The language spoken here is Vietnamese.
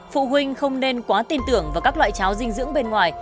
phụ huynh không nên quá tin tưởng vào các loại cháo dinh dưỡng bên ngoài